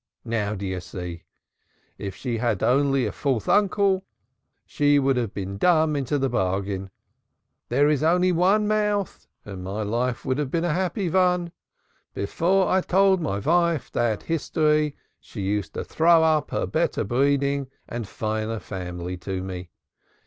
Now, do you see? If she had only had a fourth uncle, she would have been dumb into the bargain; there is only one mouth and my life would have been a happy one. Before I told Soorka that history she used to throw up her better breeding and finer family to me.